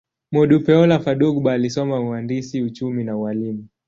Modupeola Fadugba alisoma uhandisi, uchumi, na ualimu.